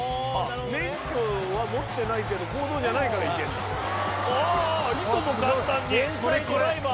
免許は持ってないけど公道じゃないからいけんだ。